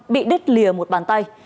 bị đứt lìa một bàn tay